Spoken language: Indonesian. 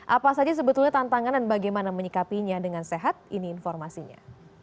apa saja sebetulnya tantangan dan bagaimana menyikapinya dengan sehat ini informasinya